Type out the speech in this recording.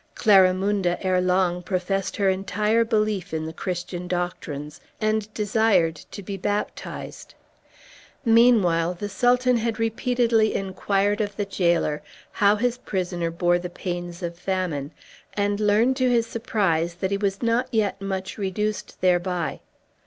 Clarimunda ere long professed her entire belief in the Christian doctrines, and desired to be baptized. Meanwhile the Sultan had repeatedly inquired of the jailer how his prisoner bore the pains of famine, and learned to his surprise that he was not yet much reduced thereby.